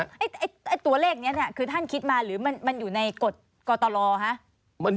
ไอ้ตัวเลขนี้เนี่ยคือท่านคิดมาหรือมันอยู่ในกฎกตรคะ